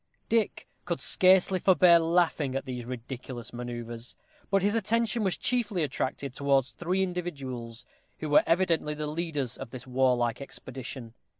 Dick could scarcely forbear laughing at these ridiculous manœuvres; but his attention was chiefly attracted towards three individuals, who were evidently the leaders of this warlike expedition.